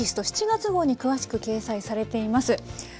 ７月号に詳しく掲載されています。